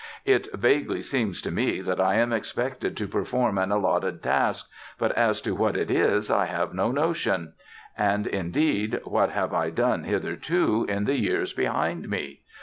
It vaguely seems to me that I am expected to perform an allotted task, but as to what it is I have no notion.... And indeed, what have I done hitherto, in the years behind me?